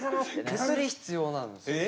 手すり必要なんですよ。